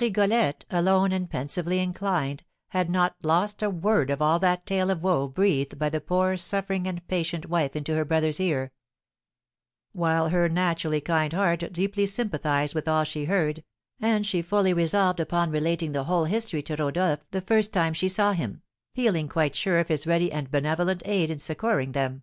Rigolette, alone and pensively inclined, had not lost a word of all that tale of woe breathed by the poor, suffering, and patient wife into her brother's ear; while her naturally kind heart deeply sympathised with all she heard, and she fully resolved upon relating the whole history to Rodolph the very first time she saw him, feeling quite sure of his ready and benevolent aid in succouring them.